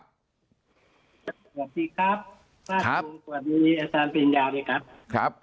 สวัสดีครับสวัสดีครับสวัสดีอาจารย์ปริญญาณดีครับ